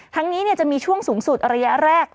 ทั้งนี้จะมีช่วงสูงสุดเหลือแรก